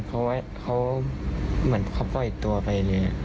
เขาเหมือนเขาปล่อยตัวไปเลย